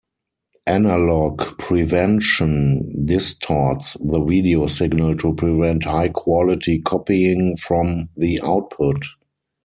Analog prevention distorts the video signal to prevent high quality copying from the output.